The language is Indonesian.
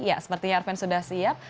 ya sepertinya arven sudah siap